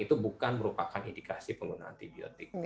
itu bukan merupakan indikasi pengguna antibiotik